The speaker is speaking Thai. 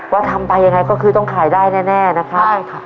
ทำไปยังไงก็คือต้องขายได้แน่นะครับใช่ค่ะ